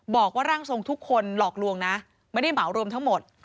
บอกว่าร่างทรงทุกคนหลอกลวงนะไม่ได้เหมารวมทั้งหมด